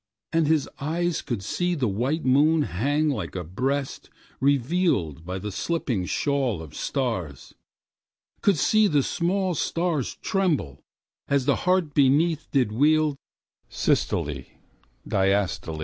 And his eyes could seeThe white moon hang like a breast revealedBy the slipping shawl of stars, Could see the small stars trembleAs the heart beneath did wieldSystole, diastole.